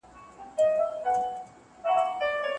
سالم ذهن باور نه زیانمنوي.